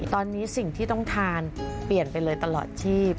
ตอนนี้สิ่งที่ต้องทานเปลี่ยนไปเลยตลอดชีพ